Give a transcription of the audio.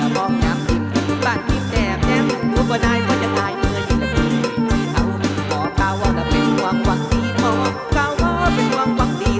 หมอกาวว่าจะเป็นความความดีมองกาวว่าจะเป็นความว่างดี